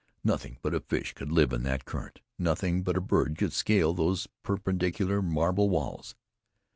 Nothing but a fish could live in that current; nothing but a bird could scale those perpendicular marble walls.